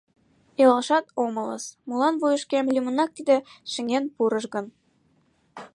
Илалшат омылыс, молан вуйышкем лӱмынак тиде шыҥен пурыш гын?